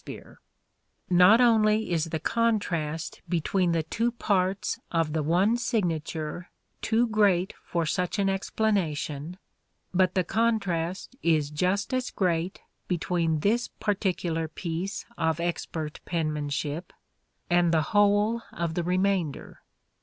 THE STRATFORDIAN VIEW 49 Not only is the contrast between the two parts of the one signature too great for such an explanation, but the contrast is just as great between this particular piece of expert penmanship and the whole of the remainder.